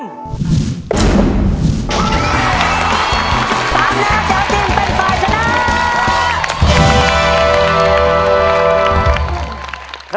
ตามแน่จะเอาทีมเป็นฝ่ายชนะ